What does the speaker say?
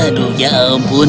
aduh ya ampun